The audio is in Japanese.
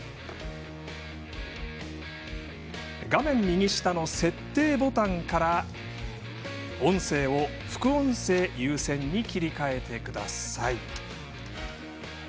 画面右下の設定ボタンから音声を副音声優先に切り替えてください。